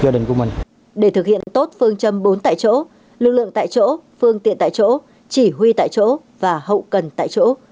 để thực hiện tốt phương châm bốn tại chỗ lực lượng tại chỗ phương tiện tại chỗ chỉ huy tại chỗ và hậu cần tại chỗ